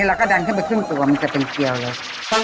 แบบนี้ดันขึ้นไปขึ้นกลัวจะเป็นเกียวเลย